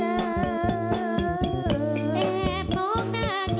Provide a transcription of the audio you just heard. น้ำตาตกโคให้มีโชคเมียรสิเราเคยคบกันเหอะน้ำตาตกโคให้มีโชค